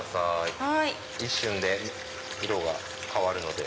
一瞬で色が変わるので。